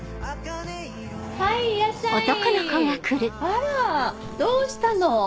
あらどうしたの？